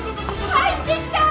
入ってきた！